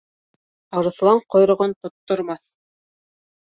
Арыҫлан ҡойроғон тоттормаҫ.